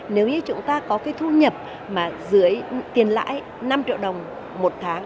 nếu như chúng ta có cái thu nhập mà dưới tiền lãi năm triệu đồng một tháng